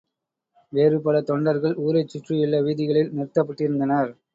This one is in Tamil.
வேறு பல தொண்டர்கள் ஊரைச் சுற்றியுள்ள வீதிகளில் நிறுத்தப் பட்டிருந்தனர்.